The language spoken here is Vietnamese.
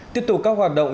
tiếp tục các hoạt động